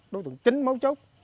đối tượng chính máu chốc